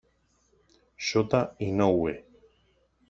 Shota Inoue